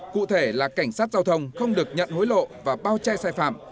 cụ thể là cảnh sát giao thông không được nhận hối lộ và bao che sai phạm